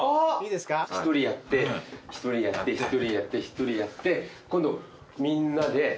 １人やって１人やって１人やって１人やって今度。